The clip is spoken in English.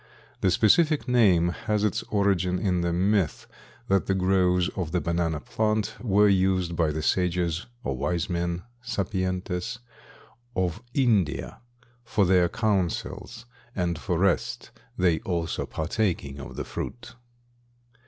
The specific name has its origin in the myth that the groves of the banana plant were used by the sages or wise men (sapientes) of India for their councils and for rest, they also partaking of the fruit.